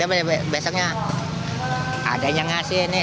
dia bilang besoknya ada yang ngasih nih